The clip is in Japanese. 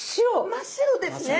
真っ白ですね。